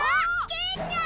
ケイちゃん！